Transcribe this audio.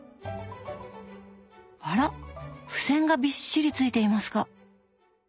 あら付箋がびっしりついていますが。